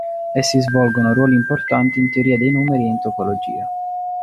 Essi svolgono ruoli importanti in teoria dei numeri e in topologia.